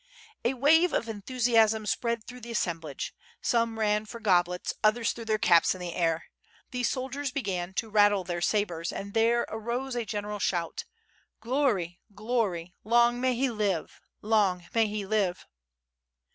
A wave of enthusiasm spread through the assemblage. Some ran for goblets, others threw their caps in the air. The soldiers began to rattle their sabres and there arose a general shout. "Glory! glory! long may he live! long may he live!''